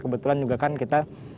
kebetulan juga kan kita